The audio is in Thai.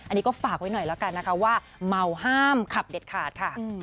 อันนี้ก็ฝากไว้หน่อยแล้วกันนะคะว่าเมาห้ามขับเด็ดขาดค่ะ